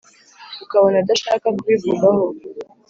ukabona adashaka kubivugaho